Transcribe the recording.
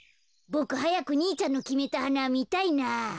ボクはやく兄ちゃんのきめたはなみたいな。